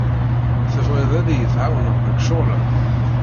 Tebɣiḍ ad iyi-tɛawneḍ deg ccɣel-a?